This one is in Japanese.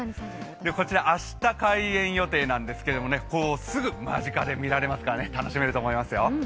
こちらは明日開園予定なんですけど、すぐ間近で見られますから楽しめると思いますよ。